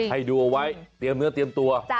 ให้ดูเอาไว้เตรียมเนื้อเตรียมตัว